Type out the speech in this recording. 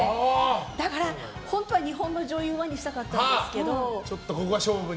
だから、本当な日本の女優ではにしたかったんですけど。